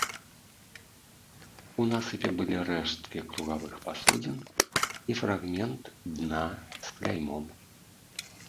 У насыпе былі рэшткі кругавых пасудзін і фрагмент дна з кляймом.